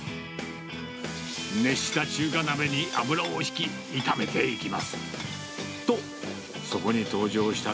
熱した中華鍋に油を引き、炒めていきます。